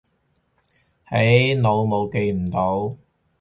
起腦霧記唔到